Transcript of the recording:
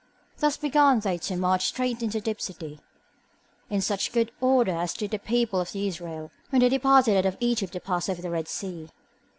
Thus began they to march straight into Dipsody, in such good order as did the people of Israel when they departed out of Egypt to pass over the Red Sea.